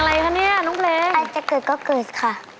เอาจะคืดก็คืดค่ะ